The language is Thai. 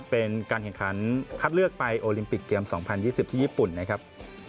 เป็นการแข่งขันคัดเลือกไปโอลิมปิกเกม๒๐๒๐ที่ญี่ปุ่นนะครับ